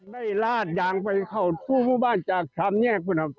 ไม่ลาดยางไปเขารูขุมุบ้านจากพรามแยค